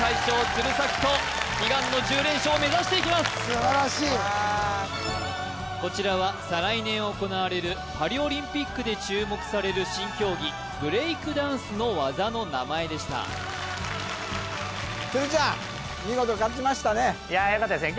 素晴らしいこちらは再来年行われるパリオリンピックで注目される新競技ブレイクダンスの技の名前でした鶴ちゃんいやよかったですね